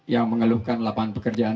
yang mengeluhkan lapangan pekerjaan